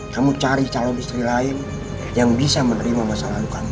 kamu cari calon istri lain yang bisa menerima masa lalu kami